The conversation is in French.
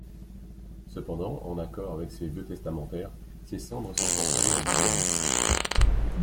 Cependant, en accord avec ses vœux testamentaires, ses cendres sont transférées en Bulgarie.